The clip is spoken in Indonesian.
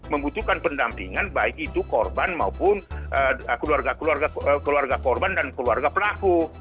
membutuhkan pendampingan baik itu korban maupun keluarga keluarga korban dan keluarga pelaku